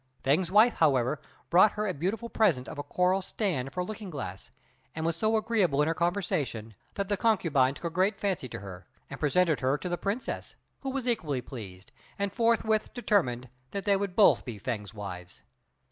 Fêng's wife, however, brought her a beautiful present of a coral stand for a looking glass, and was so agreeable in her conversation, that the concubine took a great fancy to her, and presented her to the Princess, who was equally pleased, and forthwith determined that they would both be Fêng's wives.